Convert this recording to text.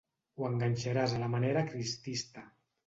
Ho enganxaràs a la manera cristista.